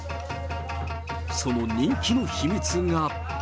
その人気の秘密が。